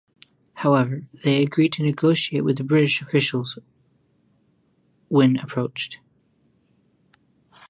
However, they agreed to negotiate with the British officials when approached.